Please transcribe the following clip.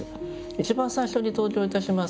一番最初に登場いたします